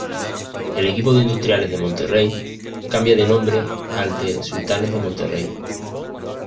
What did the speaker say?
El equipo de Industriales de Monterrey cambia de nombre al de Sultanes de Monterrey.